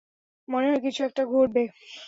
মনে হয় কিছু একটা ঘটবে।